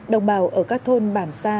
đồng bào ở các thôn bản xa